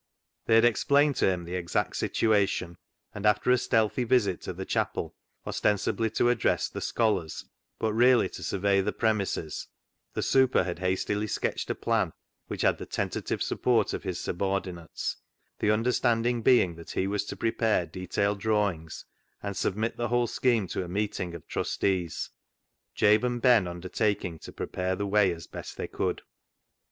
They had explained to him the exact situation, and after a stealthy visit to the chapel ostensibly to address the scholars, but really to survey the premises, the *' super " had hastily sketched a plan which had the tentative support of his subordinates, the understanding being that he was to prepare detailed drawings and submit the whole scheme to a meeting of trustees, Jabe and Ben undertaking to prepare the way as best they could.